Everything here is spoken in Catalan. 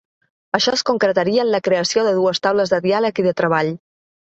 Això es concretaria en la creació de dues taules de diàleg i de treball.